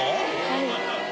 はい。